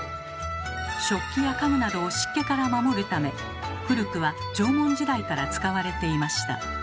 食器や家具などを湿気から守るため古くは縄文時代から使われていました。